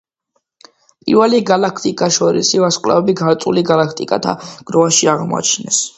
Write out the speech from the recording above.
პირველი გალაქტიკათშორისი ვარსკვლავები ქალწულის გალაქტიკათა გროვაში აღმოაჩინეს.